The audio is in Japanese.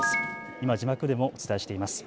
今、字幕でもお伝えしています。